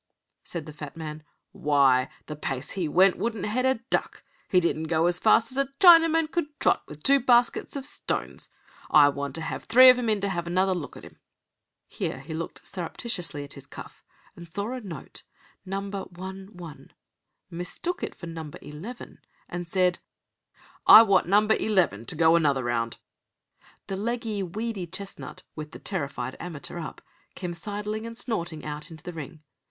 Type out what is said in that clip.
said the fat man. "Why, the pace he went wouldn't head a duck. He didn't go as fast as a Chinaman could trot with two baskets of stones. I want to have three of 'em in to have another look at 'em." Here he looked surreptitiously at his cuff, saw a note "No. II.", mistook it for "Number Eleven", and said: "I want Number Eleven to go another round." The leggy, weedy chestnut, with the terrified amateur up, came sidling and snorting out into the ring.